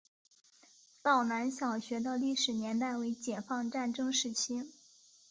道南小学的历史年代为解放战争时期。